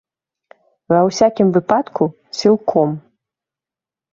Ва ўсякім выпадку, сілком.